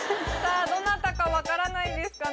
どなたか分からないですかね？